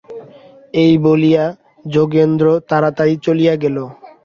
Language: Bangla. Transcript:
এই বলিয়া যোগেন্দ্র তাড়াতাড়ি চলিয়া গেল।